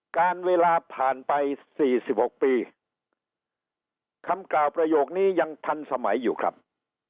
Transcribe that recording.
การเวลาผ่านไป๔๖ปีคำกล่าวประโยคนี้ยังทันสมัยอยู่ครับ